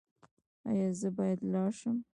ایا زه باید لاړ شم؟